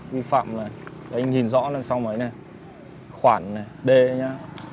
vi phạm này anh nhìn rõ lên sau mấy này khoản này đê nhá